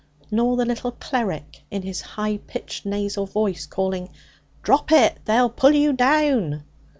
Nor the little cleric, in his high pitched nasal voice, calling: 'Drop it! They'll pull you down!'